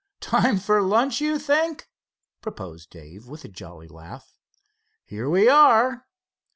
"Time for lunch, you think?" proposed Dave with a jolly laugh. "Here we are."